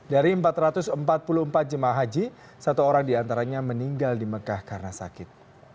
dari empat ratus empat puluh empat jemaah haji satu orang diantaranya meninggal di mekah karena sakit